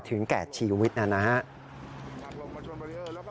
แก่ชีวิตนะครับ